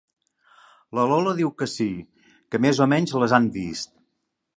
La Lola diu que sí, que més o menys les han vist.